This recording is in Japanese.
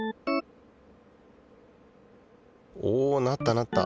おなったなった。